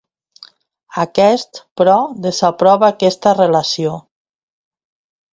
Aquest, però, desaprova aquesta relació.